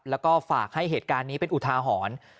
แล้วก็ฝากให้เหตุการณ์นี้เป็นอุทาหรณ์